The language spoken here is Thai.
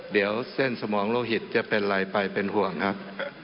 เดี๋ยวเส้นสมองโลหิตจะเป็นอะไรไปเป็นห่วงครับ